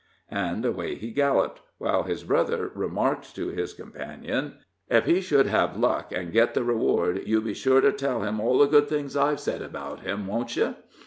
And away he galloped, while his brother remarked to his companion: "'Ef he should have luck, an' get the reward, you be sure to tell him all the good things I've said about him, won't you?"